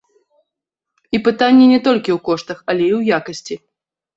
І пытанне не толькі ў коштах, але і ў якасці!